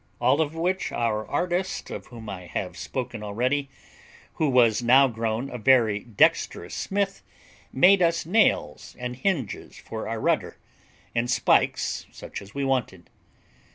all of which our artist, of whom I have spoken already, who was now grown a very dexterous smith, made us nails and hinges for our rudder, and spikes such as we wanted.